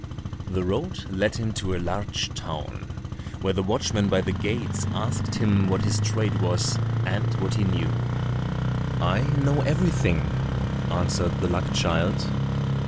The road led him to a large town, where the watchman by the gates asked him what his trade was, and what he knew. "I know everything," answered the luck child.